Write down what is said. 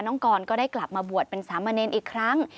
กรก็ได้กลับมาบวชเป็นสามเณรอีกครั้ง